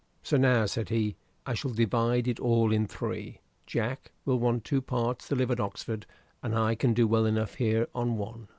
"So now," said he, "I shall divide it all in three; Jack will want two parts to live at Oxford, and I can do well enough here on one."